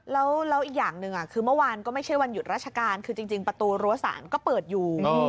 แล้วอีกอย่างหนึ่งคือเมื่อวานก็ไม่ใช่วันหยุดราชการคือจริงประตูรั้วสารก็เปิดอยู่